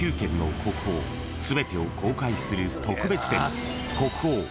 ［全てを公開する特別展］